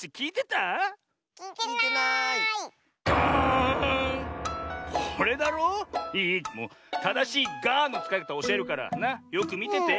ただしいガーンのつかいかたをおしえるからよくみてて。